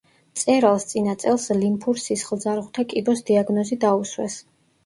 მწერალს წინა წელს ლიმფურ სისხლძარღვთა კიბოს დიაგნოზი დაუსვეს.